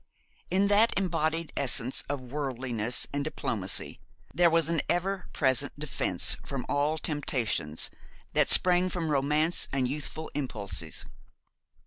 In that embodied essence of worldliness and diplomacy, there was an ever present defence from all temptations that spring from romance and youthful impulses.